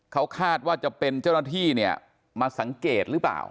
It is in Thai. เขาคาดว่าจะเป็นเจ้าหน้าที่เนี่ยมาสังเกตหรือเปล่า